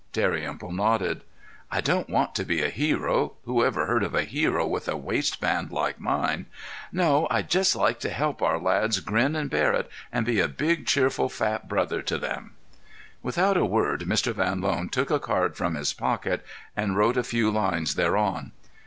Dalrymple nodded. "I don't want to be a hero. Who ever heard of a hero with a waistband like mine? No; I'd just like to help our lads grin and bear it, and be a big, cheerful fat brother to them." Without a word Mr. Van Loan took a card from his pocket and wrote a few lines thereon.